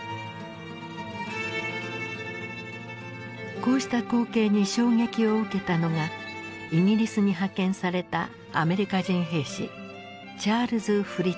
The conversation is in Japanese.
こうした光景に衝撃を受けたのがイギリスに派遣されたアメリカ人兵士チャールズ・フリッツだった。